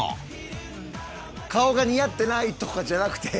顔が似合ってないとかじゃなくて。